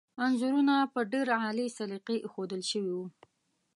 انځورونه په ډېر عالي سلیقې ایښودل شوي وو.